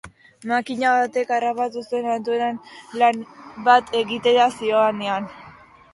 Makina batek harrapatu zuen, altueran lan bat egitera zihoanean.